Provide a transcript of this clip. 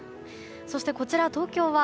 そしてこちら、東京は